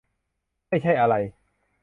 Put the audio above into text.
ไม่ใช่อะไร